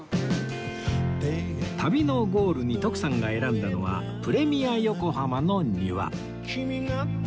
旅のゴールに徳さんが選んだのはプレミアヨコハマの庭